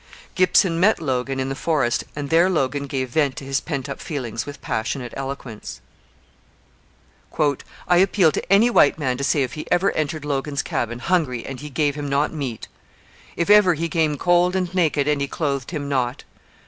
Gibson met Logan in the forest, and there Logan gave vent to his pent up feelings with passionate eloquence. I appeal to any white man to say if he ever entered Logan's cabin hungry and he gave him not meat; if ever he came cold and naked and he clothed him not.